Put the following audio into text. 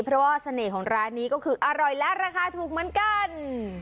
เพราะว่าเสน่ห์ของร้านนี้ก็คืออร่อยและราคาถูกเหมือนกัน